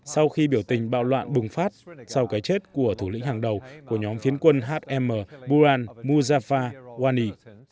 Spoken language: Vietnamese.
sau khi biểu tình bạo loạn bùng phát sau cái chết của thủ lĩnh hàng đầu của nhóm phiến quân hm buran musafa wani